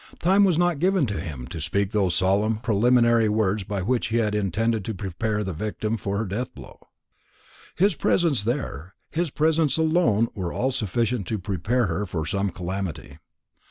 Time was not given to him to speak those solemn preliminary words by which he had intended to prepare the victim for her deathblow. His presence there, and his presence alone, were all sufficient to prepare her for some calamity.